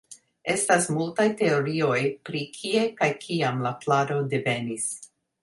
Estas multaj teorioj pri kie kaj kiam la plado devenis.